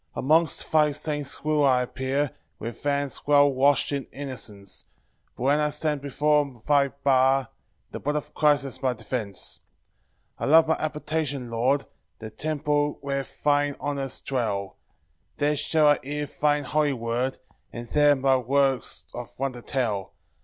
3 Amongst thy saints will I appear, With hands well wash'd in innocence; But when I stand before thy bar, The blood of Christ is my defence. 4 I love thy habitation, Lord, The temple where thine honours dwell; There shall I hear thine holy word, And there thy works of wonder tell.